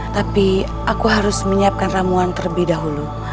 tapi aku harus menyiapkan ramuan terlebih dahulu